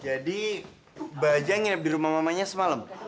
jadi bajah nginep di rumah mamanya semalam